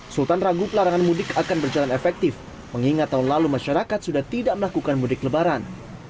sultan ragu pelarangan mudik akan berjalan efektif mengingat tahun lalu masyarakat sudah tidak melakukan mudik lebaran